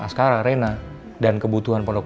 askara reina dan kebutuhan produk